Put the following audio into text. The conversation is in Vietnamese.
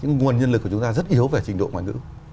thì cái nguồn nhân lực của chúng ta rất yếu về trình độ ngoại ngữ